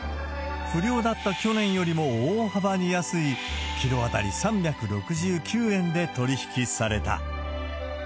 不漁だった去年よりも大幅に安い、キロ当たり３６９円で取り引きされた。